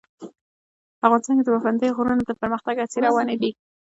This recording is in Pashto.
افغانستان کې د پابندی غرونه د پرمختګ هڅې روانې دي.